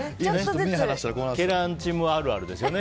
ケランチムあるあるですよね。